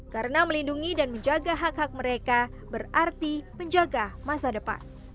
karena melindungi dan menjaga hak hak mereka berarti menjaga masa depan